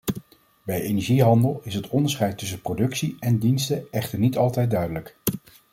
Bij energiehandel is het onderscheid tussen productie en diensten echter niet altijd duidelijk.